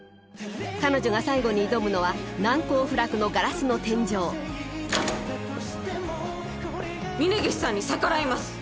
彼女が最後に挑むのは難攻不落のガラスの天井峰岸さんに逆らいます。